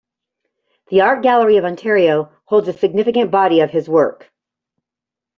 The Art Gallery of Ontario holds a significant body of his work.